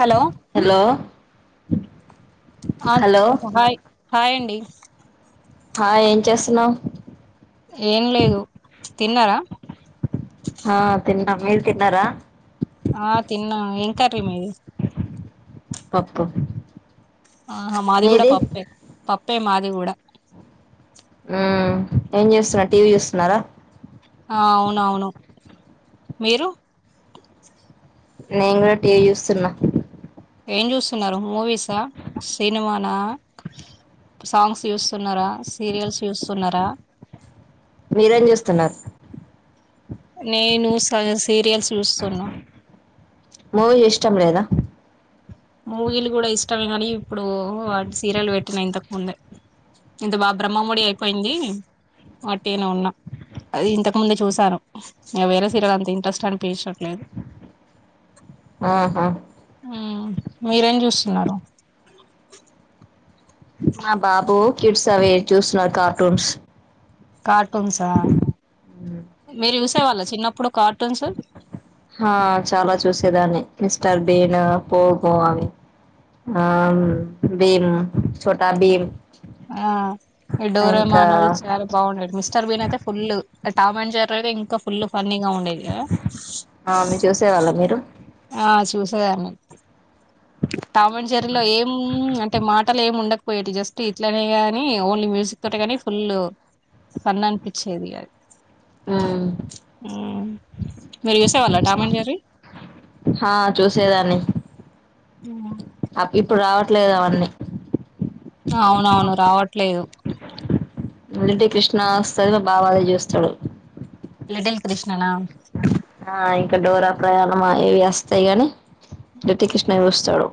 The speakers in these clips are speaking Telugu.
Hello hello hello [unintelligible] hi hi అండి హ ఏం చేస్తున్నావు ఏం లేదు తిన్నారా హ తిన్నాం మీరూ తిన్నారా ఆ తిన్నా ఏం కర్రీ మీది పప్పు ఆహ మాది కూడ మీది పప్పే పప్పు పప్పే మాది కూడా ఏం చేస్తున్నారు టీవీ చూస్తున్నారా ఆ అవునవును మీరు నేను కూడా టీ వి చూస్తున్న ఏం చూస్తున్నారు మూవీసా సినిమానా సాంగ్స్ చూస్తున్నారా సీరియల్స్ చూస్తున్నారా మీరేం చూస్తున్నారు నేను సీరియల్స్ చూస్తున్న మూవీ ఇష్టం లేదా మూవీలు కూడా ఇష్ట ఇష్టమే కానీ ఇప్పుడు సీరియల్ పెట్టిన ఇంతకు ముందే ఇంత బాబ బ్రహ్మమడి అయిపోయింది వట్టిగనే ఉన్న అది ఇంతకు ముందే చూసాను వేరే సీరియల్స్ అంత ఇంట్రెస్ట్ అనిపించట్లేదు ఆహా ఉమ్మ్ మీరేం చేస్తున్నారు మా బాబు కిడ్స్ అవి చూస్తున్నాడు కార్టూన్స్ కార్టూన్స్ఆ మీరు చూసేవాళ్ళ చిన్నప్పుడు కార్టూన్స్ ఆ చాలా చూసేదాన్ని మిస్టర్ బీన్ పోగొ అవి ఆ భీమ్ చోటా భీమ్ ఆ ఈ ఇంకా డోరేమాన్ అవి చాలా బాగుండేటివి మిస్టర్ భీమైతే ఫుల్లు ఆ టామ్ అండ్ జెర్రీ అయితే ఇంకా ఫుల్ ఫన్నీ ఆ మీ చూసేవాళ్ళ మీరు ఆ చూసేదాన్ని టామ్ అండ్ జెర్రీ లో ఏం అంటే మాటలు ఏముండకపోయేటివి జస్ట్ ఇట్లనే గాని ఓన్లీ మ్యూజిక్ తోటే కానీ ఫుల్ ఫన్ అనిపించేది అది మ్మ్ మ్మ్ మీరు చూసే వాళ్ళ టామ్ అండ్ జెర్రీ ఆ చూసేదాన్ని హ ఇప్పుడు రావట్లేదు అవన్నీ అవునవును రావట్లేదు మూడింటికి కృష్ణ వస్తది మా బాబు అదే చూస్తాడు లిటిల్ కృష్ణనా ఆ ఇంకా డోరా ప్రయాణమా ఈ వస్తాయి గాని లిటిల్ కృష్ణ చూస్తాడు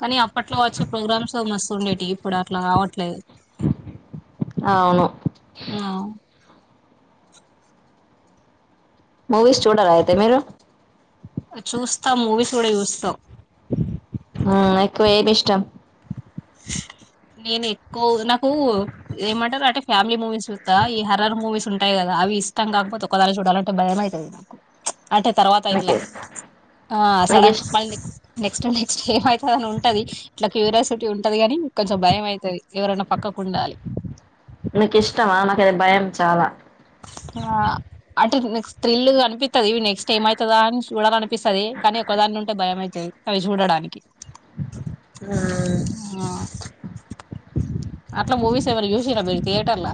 కానీ అప్పట్లో వచ్చే ప్రోగ్రామ్స్ మస్తు ఉండేటివి ఇప్పుడు అట్లా కావట్లేదు అవును మూవీస్ చూడరా అయితే మీరు త మూవీస్ కూడా చూస్తాం ఎక్కువ ఏది ఇష్టం నైన్ కో నాకు ఏమంటారు అటే ఫ్యామిలీ మూవీస్ చూస్తా ఈ హర్రర్ మూవీస్ ఉ ఉంటయి కదా అవి ఇ ఇష్టం కాకపోతే ఒక్కదాన్నే చూడాలంటే భయంమైతది నాకు అంటే తర్వాత ఇట్ల నీకు ఆ సడ నీకు ఇష్ మల్లి నికు నెక్స్ట్ నెక్స్ట్ ఏమైతది అని ఉంటది ఇట్ల క్యూరియాసిటీ ఉంటది గని కొంచెం భయం అయితది ఎవరైనా పక్కకుండాలి నకు ఇష్టమా నాకు అది భయం చాలా ఆ అంటే నెక్స్ట్ థ్రిల్ అనిపిత్తది నెక్స్ట్ ఏమవుతదా అని చూడాల అనిపిస్తది కానీ ఒకదాని ఉంటే భయం అయితది అవి చూడడానికి ఉమ్ ఆ అట్లా మూవీస్ ఏమైనా చూసిర్ర మీరు థియేటర్ల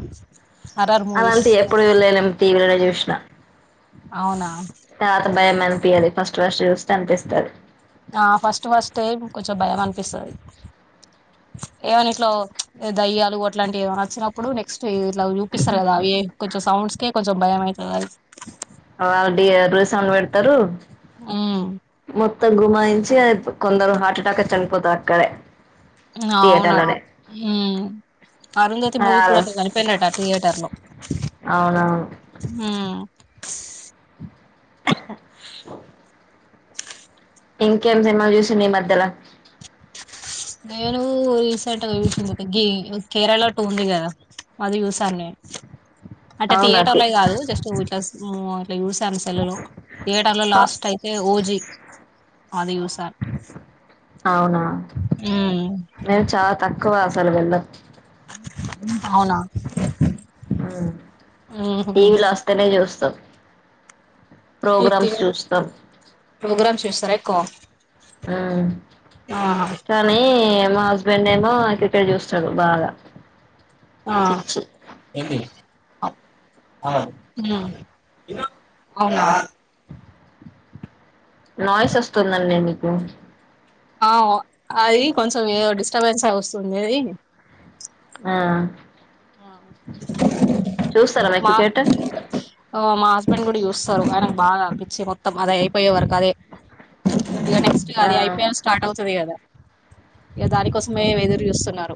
హరర్ మూవీస్ వెళ్లలేం టీవీలో చూసిన అవునా అనిపియాలి ఫస్ట్ ఫస్ట్ చూస్తే అనిపిస్తాది ఆ ఫస్ట్ ఫస్టే కంచం బయం పిస్తాది ఏమని ఇట్లో అంటే దయ్యాలు అట్లాంటివి ఏమనా వచ్చినప్పుడు నెక్స్ట్ ఇట్ల చూపిస్తారు కదా అవి కొంచం సౌండ్స్కే కొం సో బయం అయితది అది ఆ డి రుసౌండ్ పెడతరు ఉమ్ మో మొత్తం గుమాయించి కొందరు హార్ట్ అటాకచ్చి చనిపోతారు అక్కడే థియేటర్ అవునట లోనే ఉమ్ అరుంధతి మూవీ హలో కూడా అట్ల చనిపోయినట థియేటర్ లో అవునవును ఇంకేం సినిమాలు చూసింది ఈ మధ్యల నేను రి రీసెంట్గా చూసింది ఒక గే కేరళ లో టూ ఉంది కదా అది చూసాను నేను అంటే అవునా తి థియేటర్ల కాదు జస్ట్ ఇట్లా మ్ ఇట్లా చూసాన్ సెల్లు లో థియేటర్ లో లాస్ట్ అయితే ఓజీ అది చుస్ అవునా ఉమ్ మేము చా తక్ క్కువ అస్సలు వెళ్లం ఉమ్ అవునా ఉహు టీవీలో వస్తనే జుస్ స అయితే ప్రోగ్రామ్స్ చేస్తార క్క కానీ మా హస్బెండ్ ఏమో క్రికెట్ చూస్తాడు బాగా ఆ పిచ్చి ఔనా నాయిస్ వస్తుందండి నీ ప ఆ అది కొంచెం ఏదో డిస్టర్బెన్స్గా వస్తుంది అది ఆ చూస్తారా మీరు మా క్రికెట్ మా హస్బెండ్ కూడా చూస్తారు ఆయనకు బాగా అనిపించేత్త మొత్తం అది అయిపోయే వరకి ఇగ నెక్స్ట్గా ఆ అది ఐపీఎల్ స్టార్ట్ అవుతది కదా ఇక దానికోసమే ఎదురు చూస్తున్నారు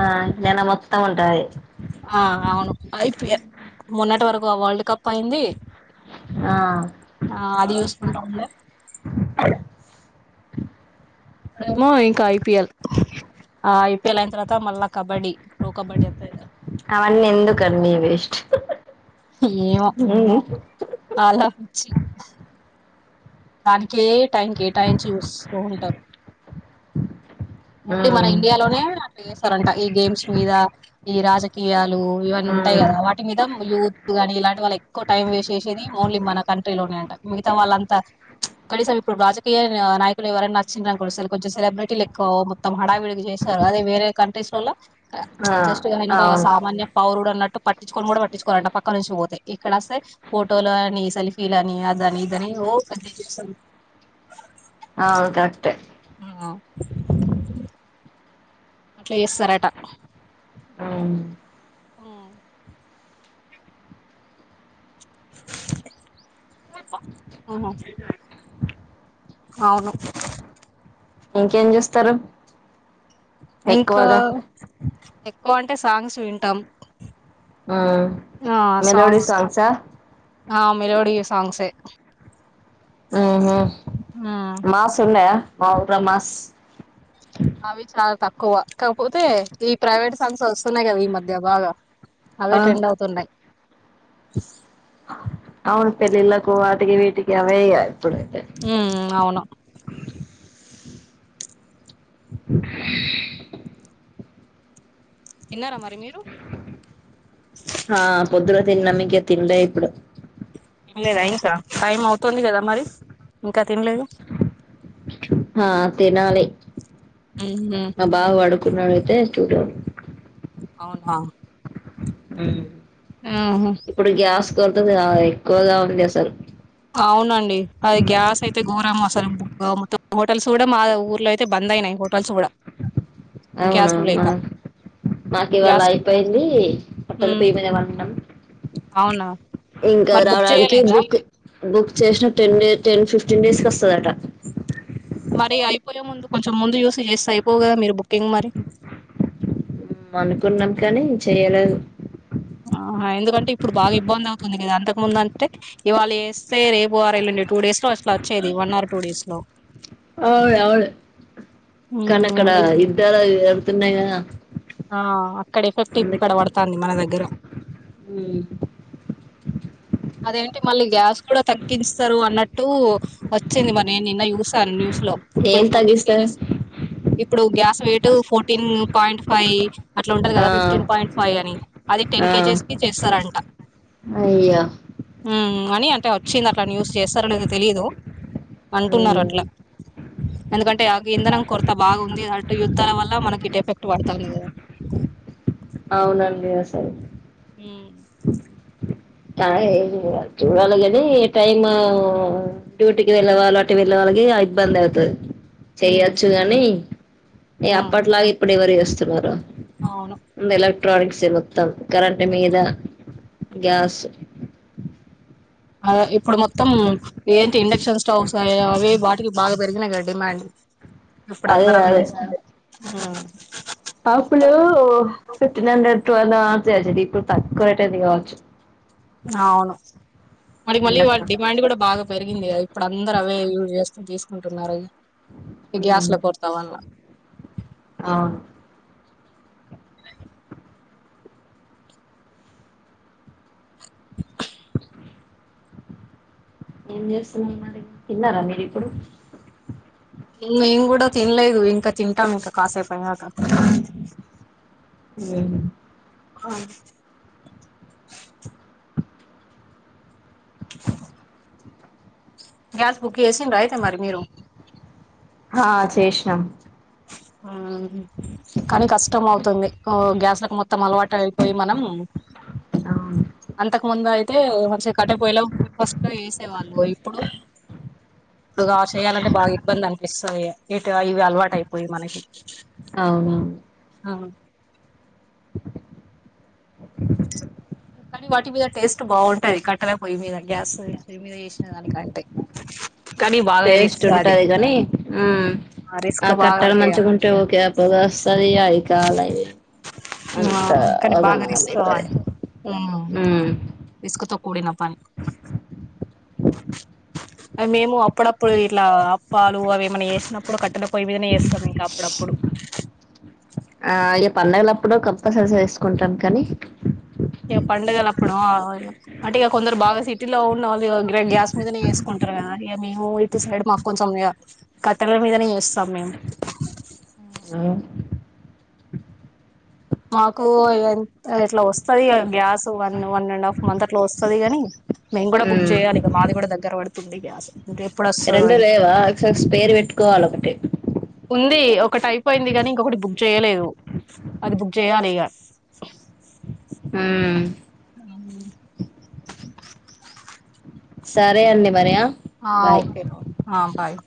ఆ ననా మొత్తం వ ఉంటాయి ఆ అవును అయిపోయి మన్నటి వరకు వరల్డ్ కప్ అయింది ఆ ఆ అది చూస్కుంటావుంటాం ఇప్పుడేమో ఇంకా ఐపిఎల్ ఆ ఐపీఎల్ అయిన తర్వాత మళ్ళా కబడ్డీ ప్రో కబడ్డీ అ అవన్నీ ఎందుకండి వేస్ట్ ఏవో మ్మ్ అలా వచ్చి త ఏ టైంకి కేటాయించి చూస్తా ఉంటారు ఓన్లీ మన మ్మ్ ఇండియాలోనే అట్లా చేసారంట ఈ గేమ్స్ మీద ఈ రాజకీయ ఇవన్నీ ఉంటాయి మ్మ్ కదా వాటి మీద యూత్ కానీ ఇలాంటి వాళ్ళ ఎక్కువ టైం వేస్ట్ చేసేది ఓన్లీ మన కంట్రీలోనే అంట మిగతా వాళ్ళంతా కనీసం ఇప్పుడు రాజకీయ నాయకులు ఎవరైనా నచ్చినరుకొండి కొంచెం సెలబ్రిటీలు ఎక్కువ మొత్తం హడావిడిగ చేశారు అదే వేరే కంట్రీస్ లల్లో ఆ జస్ట్ నేన ఒక అవును సామాన్య పౌరుడు అన్నట్టు పట్టించుకొని కూడా పట్టించుకోవాలంట పక్క నుంచి పోతాయి ఇక్కడ వస్తే ఫోటోలు అని సెల్ఫీ అని అదని ఇదని అే [inaudible] ఔను అట్టే చేస్తారట అవు ఆ అవును ఇంకేం చేూస్తారు ఇంకా ఒంటె సాంగ్స్ వింటాం ఆ మెలోడి సాంగ్సా ఆ మెలోడి సాంగ్స్ ఉహు ఉమ్ మాసున్నయా మా ఉర్రమస్ అవి చాలా తక్కువ కాకపోతే ఈ ప్రైవేట్ సంస్థలు వస్తున్నాయి కదా ఈ మధ్య బాగా అవే ఆ ట్రెండ్ అవుతుంన యి అవును పెళ్లిళ్లకు వటికి వీటికి అవే ఇప్పుడైతే ఉ అవును తీన్నార మరి మీరు ఆ పొద్దున తిన్నమ్మ్ ఇంక తినలేని ఇప్పుడు లేదా ఇంకా టైం అవుతుంది కదా మరి ఇంకా తినలేదు హా తినాలీ ఉహు ఆ బా వాడు కున్నాడు అయితే చూడ అవునా ఉహు ఉహు ఇప్పుడు గ్యాస్ కోరుతుంది గా ఎక్కువగా ఉంది అసలు అవునండి అది గ్యాస్ అయితే ఘోరం అసలు బుక్ మొత్తం హోటల్స్ కూడా మా ఊర్లో అయితే బంద్ అయినాయి హోటల్స్ కూడా గ్యాస్లు అవునామ్మా లేక మాకు ఇవాళ గ్యాస్ అయిపోయింది హట్టలు ఉమ్ పోయి మీదం అవునా ఇంకా మరి బుక్ రావడానికి చేయలేదా బుక్ బుక్ చేసిన ten day ten fifteen days కి వస్తుందట మరి అయిపోలే ముందు కొంచెం ముందు యూస్ చేస్తే అయిపో కదా మీరు బుక్కింగ్ మరి అనుకున్నాం కానీ చెయలేదు ఆహా ఎందుకంటే ఇప్పుడు బాగా ఇబ్బంది అవుతుంది కదా అంతకు ముందు అంటే ఇవాళ వేస్తే రేపు అ వెళండి టూ డేస్ లో అసలా వచ్చేది వన్ అవర్ టూ డేస్ లో అవుళ అవుళ కనకడ ఉమ్ ఇద్దార తున్నాగా ఆ అక్కడ ఎఫెక్టు ఇక్కడ పడతాంది మన దగ్గర అదేంటి మళ్ళీ గ్యాస్ కూడా తగ్గిస్తారు అన్నట్టు వచ్చింది మరి నేను నిన్న చూసాను న్యూస్ లో ఇప్పుడు ఏం ఫోర్టీన్ తగ్గిస్తారు కేజీస్ ఇప్పుడు గ్యాస్ వేటు ఫోర్టీన్ పాయింట్ ఫైవ్ అట్లా ఉంటది ఆ కదా ఫిఫ్టీన్ పాయింట్ ఫైవ్ అని అది టెన్ ఆ కేజీస్ కి చేస్తారంట అయ్యో ఉ అని అంటే వచ్చింది అట్లా యూస్ చేస్తారో లేదు తెలిదు అంటున్నారు మ్మ్ అట్లా ఎందుకంటే ఆ ఇంధనం కొరత బాగుంది యుద్ధాల వల్ల మనకి ఇటు ఎఫెక్ట్ పడతది కదా అవునండి అసలు హుం చూడాలి కాని టైమ్ డ్యూటీకి వెళ్ళవాళ్ళు అటు వెళ్ళ వాళ్ళకి ఇబ్బంది అవుతది ఉమ్ చెయొచ్చు గాని ఏ ఉమ్, అప్పట్లాగా ఇప్పుడెవరూ ఇస్తున్నారు అవును ఉ ఎలక్ట్రనిక్స్ ఏ మోత్తం కరంట్ మీద ఉమ్. గ్యాస్ ఇప్పుడు మొత్తం ఏంటి ఇండక్షన్ స్టవ్స్ అ అవి వాటికి బాగా పెరిగినయి కదా డిమాండ్ ఇప్పుడు అదే అందరు అవే అదే [unintelligible] ఆ అప్పుడు ఫిఫ్టీన్ హండ్రెడ్ [unintelligible] ఇప్పుడు తక్కువ అయితుంది కావచ్చు అవును మ మళ్ళీ వాళ ఇండక్షన్స్ తో డిమాండ్ కూడా బాగ పెరిగింది ఇప్పుడు అందరు అవే యూజ్ చేస్తూ తీసుకుంటున్నారు అని ఇ గ్యాస్ ల కొరతవల ఆ ఏం చేస్తున్నారు మరి తిన్నారా మీరూ ఇప్పుడు మేం కూడా తినలేదు ఇంకా తింటాం ఇంకా కాసేపు అయ్యాక అ ఆ [inaudible] గ్యాస్ బుక్ చేసిండ్ర అయితే మరి మీరు హా చేసినాం ఆ కానీ కష్టం అవుతుంది గ్యాస్లకు మొత్తం అలవాటు అయిపోయి మనం అవును అంతకు ముందయి అయితే మంచి కట్టపోయలా ఫస్ట్లో చేసేవాళ్ళు ఇప్పుడు ఇప్పుడు ఆహ్ చేయాలంటే బాగా ఇబ్బంది అనిపిస్త. సే ఎటో ఇవి అల్వాటై పోయి మనకి. అవునువును. ఆహ్. [inaudible] ఓ. కానీ వాటి మీద టేస్ట్ బాగుంటది. కట్టెల పొయ్యి మీద గ్యాస్ పొయ్యి మీద చేసిన దానికంటే. కానీ బాగా టేస్ట్ రిస్క్ అది ఉంటది కాని ఉమ్ రిస్క్ ఆ బాగా కట్టెలు చేయాలి మంచిగా ఉంటే ఓకే ఆ పోగ వస్తుంది అయి. చాలా ఎన్. ఆహ్ కానీ బాగా రిస్క్ అయితది అవ్వాలి. ఉమ్ రిస్క్ తో కూడిన పని. అవి మేము అప్పుడప్పుడు ఇట్లా అప్పాలు అవి ఏమన్నా చేసినప్పుడు కట్ కట్టెల పొయ్యి మీదనే చేస్తాం. ఇంకా అప్పుడప్పుడు. ఆ ఇగ పండగలప్పుడు కంపల్సరీ వేసుకుంటాం కానీ. ఇక పండుగల అప్పుడు ఆహ్ అంటే ఇక కొందరు బాగా సిటీలో ఉన్న వాళ్ళు ఇగ గాన్ గ్యాస్ మీదనే చేసుకుంటారు కదా ఇంకా మేము ఇటు సైడ్ మాకు కొంచెం ఇగ కట్టెల మీదనే చేస్తాం మేము. ఆహ్. మాకు ఎన్ ఎట్లా వస్తది gas one one and half month అట్లా వస్తది కాని. మేము కూడా బుక్ ఉమ్ చేయాలి‌ ఇంకా మాది కూడా దగ్గర పడు ఉంది గ్యాస్. ఇంక ఎప్పుడు వస్తదో రెండు ఇంకా లేవా ఎక్స్ ఎక్స్ పేరు పెట్టుకోవాలే ఒకటి. ఉంది ఒకటి అయిపోయింది గాని ఇంకొకటి బుక్ చేయలేదు అది బుక్ చేయాలి ఇగ. ఉమ్. అవును. సరే అండి మరి ఆహ్. ఆహ్ ఓకే ఆహ్ బాయ్.